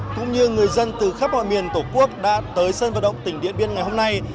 cũng như người dân từ khắp mọi miền tổ quốc đã tới sân vận động tỉnh điện biên ngày hôm nay